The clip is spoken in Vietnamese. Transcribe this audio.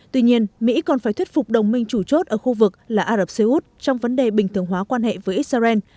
tuy nhiên mỹ còn phải thuyết phục đồng minh chủ chốt ở khu vực là ả rập xê út trong vấn đề bình thường hóa quan hệ với israel